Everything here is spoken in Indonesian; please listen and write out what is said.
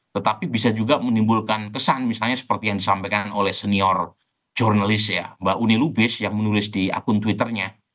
tetapi bisa juga menimbulkan kesan misalnya seperti yang disampaikan oleh senior jurnalis ya mbak uni lubis yang menulis di akun twitternya